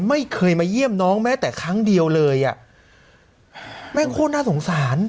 ไม่เคยมาเยี่ยมน้องแม้แต่ครั้งเดียวเลยอ่ะแม่โคตรน่าสงสาร